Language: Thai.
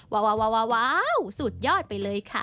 ว้าวสุดยอดไปเลยค่ะ